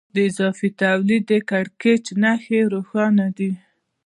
د اضافي تولید د کړکېچ نښې روښانه دي